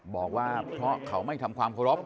บอกว่าเพราะเขาไม่ทำความเคารพ